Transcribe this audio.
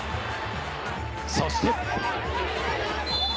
そして。